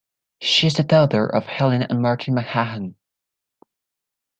She is the daughter of Helen and Martin McMahon.